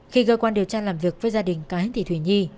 khi cơ quan điều tra làm việc với gia đình cá hến thị thủy nhi